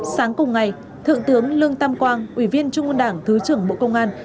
sáng cùng ngày thượng tướng lương tam quang ủy viên trung ương đảng thứ trưởng bộ công an